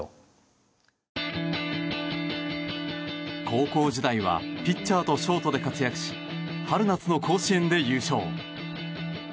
高校時代はピッチャーとショートで活躍し春夏の甲子園で優勝。